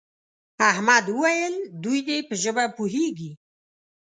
احمد وویل دوی دې په ژبه پوهېږي.